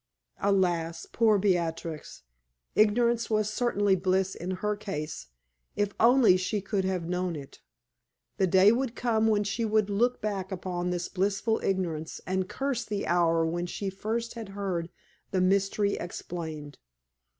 Alas! poor Beatrix! ignorance was certainly bliss in her case, if only she could have known it. The day would come when she would look back upon this blissful ignorance and curse the hour when first she had heard the mystery explained.